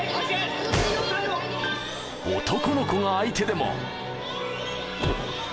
男の子が相手でも。